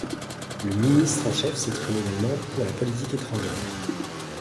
Le ministre en chef s'exprime également pour la politique étrangère.